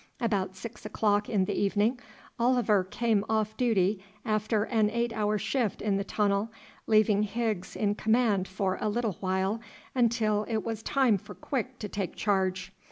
About six o'clock in the evening Oliver came off duty after an eight hour shift in the tunnel, leaving Higgs in command for a little while until it was time for Quick to take charge.